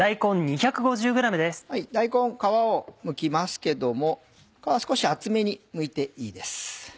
大根皮をむきますけども皮少し厚めにむいていいです。